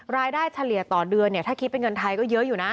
เฉลี่ยต่อเดือนเนี่ยถ้าคิดเป็นเงินไทยก็เยอะอยู่นะ